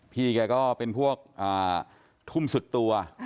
พี่แกก็เป็นพวกทุ่มสุดตัว